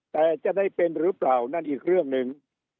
แต่จะได้เป็นหรือเปล่านั่นอีกเรื่องหนึ่ง